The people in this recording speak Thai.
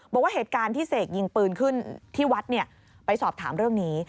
บอกว่าเหตุการณ์ที่เสกยิงปืนขึ้นที่วัดไปสอบถามเรื่องนี้